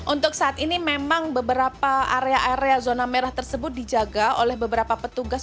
untuk saat ini memang beberapa area area zona merah tersebut dijaga oleh beberapa petugas